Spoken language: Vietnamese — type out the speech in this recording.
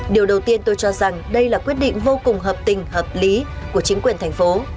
điều đầu tiên tôi cho rằng đây là quyết định vô cùng hợp tình hợp lý của chính quyền thành phố